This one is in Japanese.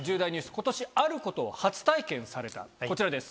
今年あることを初体験されたこちらです。